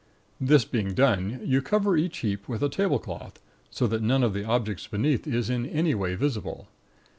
This being done, you cover each heap with a tablecloth, so that none of the objects beneath is in any way visible.